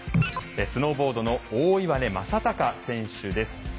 スノーボードの大岩根正隆選手です。